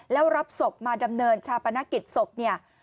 แล้วรับศพมาดำเนินชาปนกิจศพเนี่ย